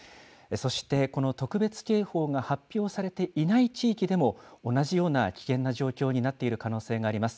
そしてこの特別警報が発表されていない地域でも、同じような危険な状況になっている可能性があります。